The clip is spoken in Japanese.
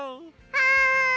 はい！